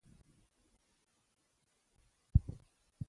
چي دربار ته ور داخل هغه دهقان سو